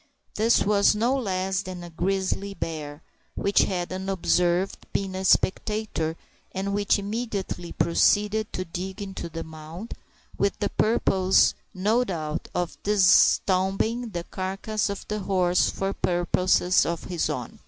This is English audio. This was no less than a grizzly bear, which had, unobserved, been a spectator, and which immediately proceeded to dig into the mound, with the purpose, no doubt, of disentombing the carcass of the horse for purposes of his own.